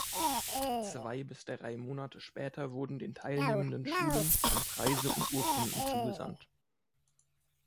Zwei bis drei Monate später wurden den teilnehmenden Schulen dann Preise und Urkunden zugesandt.